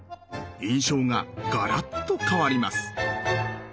印象がガラッと変わります。